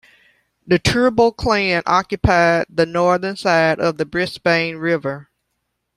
The Turrbal clan occupied the northern side of the Brisbane River.